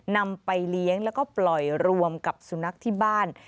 นำไปเลี้ยงแล้วก็ปล่อยรวมกับสุนัขที่บ้าน